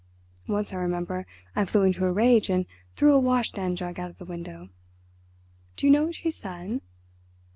Once I remember I flew into a rage and threw a washstand jug out of the window. Do you know what she said?